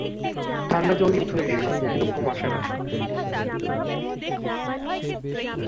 ঠাণ্ডা জল দিয়ে মুখ ধুয়ে এসে শুল, কিন্তু ঘুম আসে না।